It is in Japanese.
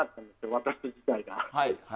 私自体が。